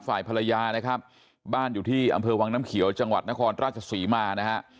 ฝ่ายภรรยานะครับบ้านอยู่ที่อำเภอวังน้ำเขียวจังหวัดนครราชศรีมานะฮะ